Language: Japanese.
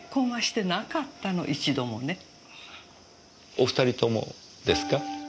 お二人ともですか？